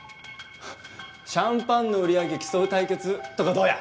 はっシャンパンの売り上げ競う対決とかどうや？